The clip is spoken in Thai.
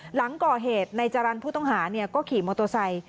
หลังก่อเหตุนายจารันผู้ต้องหาก็ขี่มอโตรไซค์